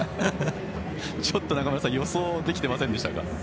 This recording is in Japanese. ちょっと中村さん予想できていませんでしたか？